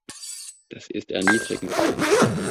Das ist erniedrigend.